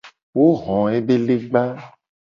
Wo ho ebe legba.